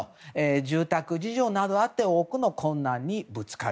住宅事情などあって多くの困難にぶつかる。